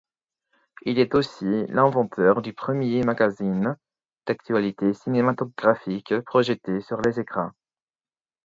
Il est aussi l'inventeur du premier magazine d'actualités cinématographiques projeté sur les écrans.